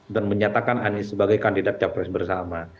menyatakan anies sebagai kandidat capres bersama